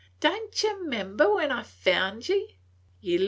Don't ye 'member when I found ye?